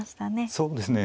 そうですね。